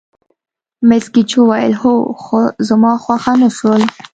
مس ګېج وویل: هو، خو زما خوښه نه شول.